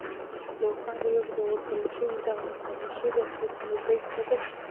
داوکرایین له لوري په وربلل شوې دغه سرمشریزه کې هیڅ امریکایي استازی